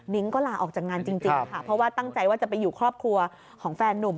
ก็ลาออกจากงานจริงค่ะเพราะว่าตั้งใจว่าจะไปอยู่ครอบครัวของแฟนนุ่ม